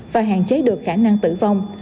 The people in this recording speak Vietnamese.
và hạn chế được khả năng tử vong